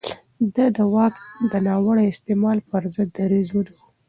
ده د واک د ناوړه استعمال پر ضد دريځ ونيو.